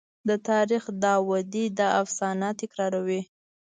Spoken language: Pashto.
د تاریخ داودي دا افسانه تکراروي.